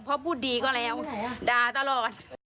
เพราะพูดดีก็แล้วด่าตลอด